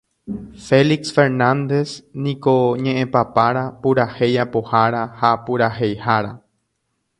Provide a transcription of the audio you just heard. Félix Fernández niko ñe'ẽpapára, purahéi apohára ha puraheihára.